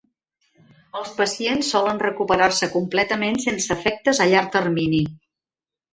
Els pacients solen recuperar-se completament sense efectes a llarg termini.